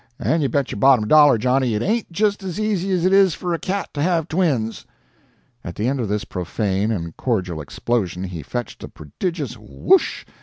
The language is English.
and you bet your bottom dollar, Johnny, it AIN'T just as easy as it is for a cat to have twins!" At the end of this profane and cordial explosion he fetched a prodigious "WHOOSH!"